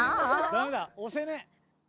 ダメだおせねえ！